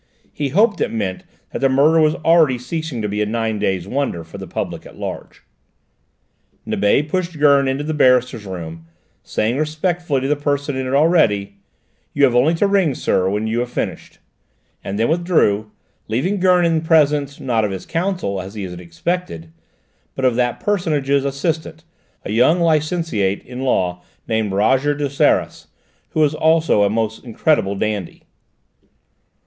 He hoped it meant that the murder was already ceasing to be a nine days' wonder for the public at large. Nibet pushed Gurn into the barristers' room, saying respectfully to the person in it already, "You only have to ring, sir, when you have finished," and then withdrew, leaving Gurn in presence, not of his counsel as he had expected, but of that personage's assistant, a young licentiate in law named Roger de Seras, who was also a most incredible dandy.